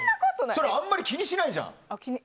それをあまり気にしないじゃん。